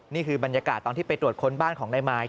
นี่คือบรรยากาศตอนที่ไปตรวจค้นบ้านของนายมาย